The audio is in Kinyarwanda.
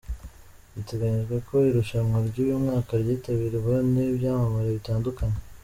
Biteganyijwe ko irushanwa ryuyu mwaka ryitabirwa nibyamamare bitandukanye.